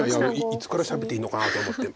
いつからしゃべっていいのかなと思って。